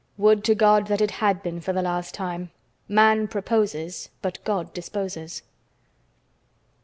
Would to God that it had been for the last time! Man proposes, but God disposes.